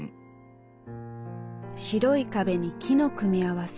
白い壁に木の組み合わせ。